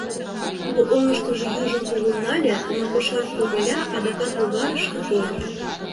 Тудо оҥышкыжо южым кугун нале, но кошар комыля адакат логарышке тольо.